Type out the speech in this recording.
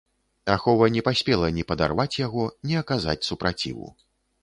Ахова не паспела ні падарваць яго, ні аказаць супраціву.